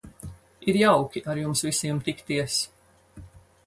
Ir jauki ar jums visiem tikties.